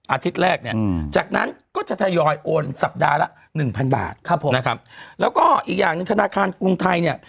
อาทิตย์แรกเนี่ยจากนั้นก็จะทยอยโอนสัปดาห์ละหนึ่งพันบาทครับผมนะครับแล้วก็อีกอย่างหนึ่งธนาคารกรุงไทยเนี่ย